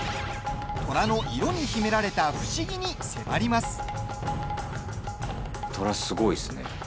トラの色に秘められた不思議に迫ります。